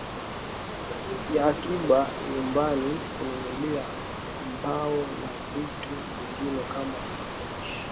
ya akiba nyumbani kununulia mbao na vitu vingine kama polishi